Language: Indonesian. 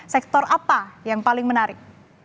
sektor apa yang paling menarik